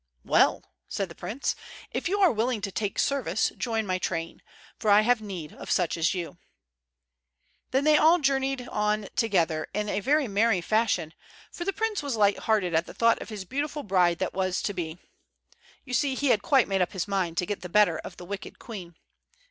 "Well," said the prince, "if you are willing to take service, join my train, for I have need of such as you." Then they all journeyed on together in a very merry fashion, for the prince was light hearted at the thought of his beautiful bride that was to be. You see, he had quite made up his mind to get the better of the wicked queen.